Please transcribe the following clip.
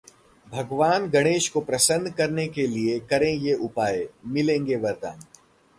भगवान गणेश को प्रसन्न करने के लिए करें ये उपाय, मिलेंगे वरदान